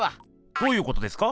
どういうことですか？